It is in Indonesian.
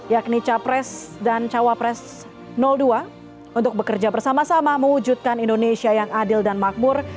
yakni capres dan cawapres dua untuk bekerja bersama sama mewujudkan indonesia yang adil dan makmur